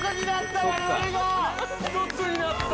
「一つになった！」